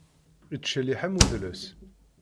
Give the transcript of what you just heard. Ittcelliḥ am udles.